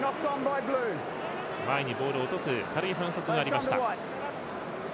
前にボールを落とす軽い反則がありました。